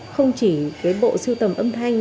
không chỉ bộ sưu tầm âm thanh